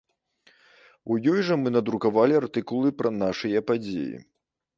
У ёй жа мы надрукавалі артыкулы пра нашыя падзеі.